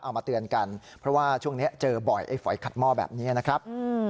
เอามาเตือนกันเพราะว่าช่วงนี้เจอบ่อยไอ้ฝอยขัดหม้อแบบนี้นะครับ